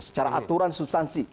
secara aturan substansi